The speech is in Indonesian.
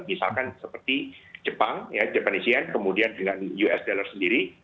misalkan seperti jepang kemudian dengan usd sendiri